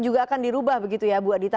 juga akan dirubah begitu ya bu adita